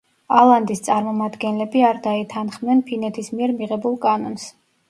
ალანდის წარმომადგენლები არ დაეთანხმნენ ფინეთის მიერ მიღებულ კანონს.